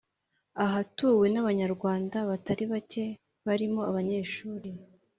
ahatuwe n’abanyarwanda batari bake barimo abanyeshuri